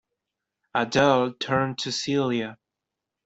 Adele turned to Celia.